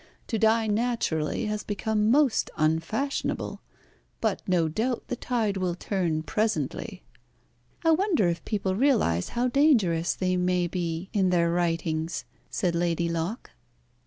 To die naturally has become most unfashionable, but no doubt the tide will turn presently." "I wonder if people realise how dangerous they may be in their writings," said Lady Locke.